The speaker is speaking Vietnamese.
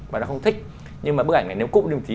và nó không thích nhưng mà bức ảnh này nếu cụm đi một tí